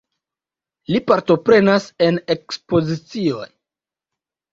Li partoprenas en ekspozicioj.